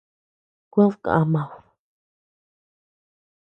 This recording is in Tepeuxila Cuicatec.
Kued kamad.